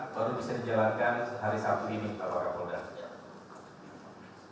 baru bisa dijalankan hari sabtu ini bapak kapol dan jatim